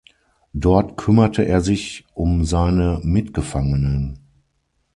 Dort kümmerte er sich um seine Mitgefangenen.